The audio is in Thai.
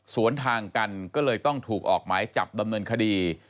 สวนทางกันก็เลยต้องถูกออกหมายจับดำเนินคดี